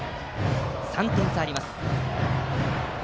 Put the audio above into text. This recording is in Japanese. ３点差あります。